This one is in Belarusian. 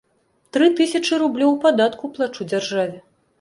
Тры тысячы рублёў падатку плачу дзяржаве.